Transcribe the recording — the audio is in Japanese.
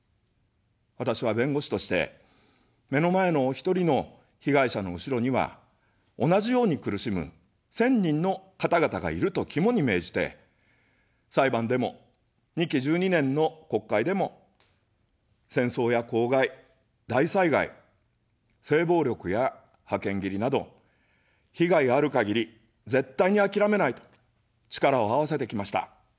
私は弁護士として、目の前のお一人の被害者の後ろには、同じように苦しむ１０００人の方々がいると肝に銘じて、裁判でも、２期１２年の国会でも、戦争や公害、大災害、性暴力や派遣切りなど、被害がある限り、絶対にあきらめないと、力をあわせてきました。